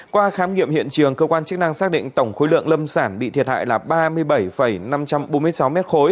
qua khám nghiệm hiện trường cơ quan chức năng xác định tổng khối lượng lâm sản bị thiệt hại là ba mươi bảy năm trăm bốn mươi sáu m ba